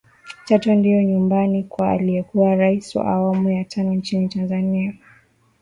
Chato ndio nyumbani kwa aliyekuwa Rais wa awamu ya tano nchini Tanzania